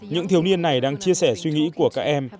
những thiếu niên này đang chia sẻ suy nghĩ của các em